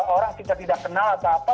orang kita tidak kenal atau apa